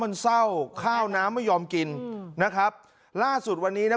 มันเศร้าข้าวน้ำไม่ยอมกินนะครับล่าสุดวันนี้นะ